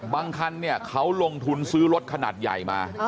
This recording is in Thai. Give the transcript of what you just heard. บางคันเขาลงทุนซื้อรถขนาดใหญ่มา